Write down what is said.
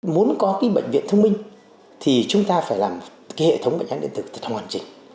muốn có cái bệnh viện thông minh thì chúng ta phải làm cái hệ thống bệnh án điện tử ta hoàn chỉnh